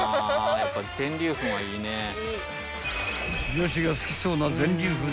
［女子が好きそうな］